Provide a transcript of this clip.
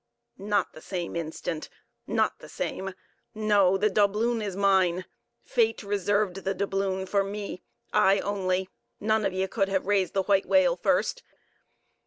"Not the same instant; not the same—no, the doubloon is mine, Fate reserved the doubloon for me. I only; none of ye could have raised the white whale first.